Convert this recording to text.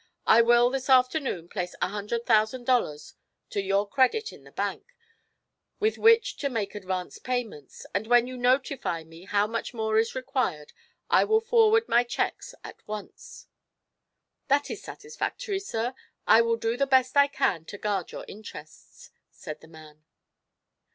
I will this afternoon place a hundred thousand dollars to your credit in the bank, with which to make advance payments, and when you notify me how much more is required I will forward my checks at once." "That is satisfactory, sir. I will do the best I can to guard your interests," said the man.